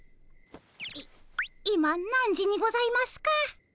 い今何時にございますか？